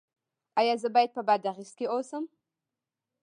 ایا زه باید په بادغیس کې اوسم؟